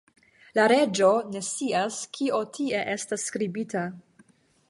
La reĝo ne scias, kio tie estas skribita!